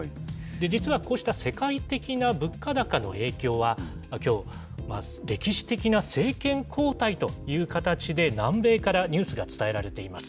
実はこうした世界的な物価高の影響は、きょう、歴史的な政権交代という形で、南米からニュースが伝えられています。